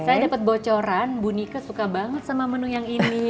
saya dapat bocoran bu nika suka banget sama menu yang ini